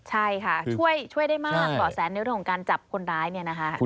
ใช่ค่ะช่วยได้มากหล่อแสนนิ้วของการจับคนร้ายเนี่ยนะคะ